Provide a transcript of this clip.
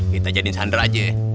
kita jadin sandra aja ini kan